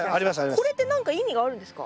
これって何か意味があるんですか？